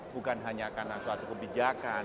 bukan hanya karena suatu kebijakan